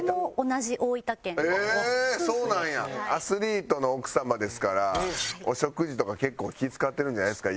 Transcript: アスリートの奥様ですからお食事とか結構気ぃ使ってるんじゃないですか？